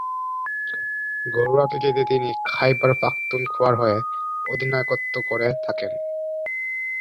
ঘরোয়া ক্রিকেটে তিনি খাইবার পাখতুনখোয়ার হয়ে অধিনায়কত্ব করে থাকেন।